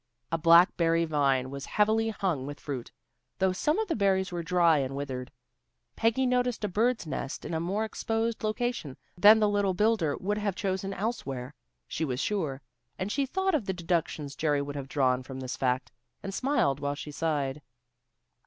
A blackberry vine was heavily hung with fruit, though some of the berries were dry and withered. Peggy noticed a bird's nest in a more exposed location than the little builder would have chosen elsewhere, she was sure, and she thought of the deductions Jerry would have drawn from this fact, and smiled while she sighed.